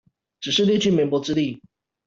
只是略盡棉薄之力